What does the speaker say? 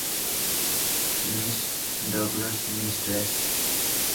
Miss Douglas mistress.